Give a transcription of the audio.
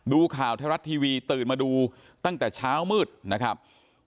ดูข่าวไทยรัฐทีวีตื่นมาดูตั้งแต่เช้ามืดนะครับ